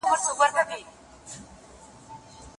سپين ګل د بادام مي